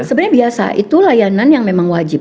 sebenarnya biasa itu layanan yang memang wajib